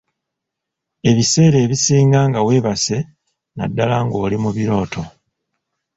Ebiseera ebisinga nga weebase naddala ng'oli mu birooto.